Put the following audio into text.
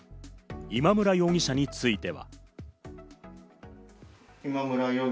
今村容疑者については。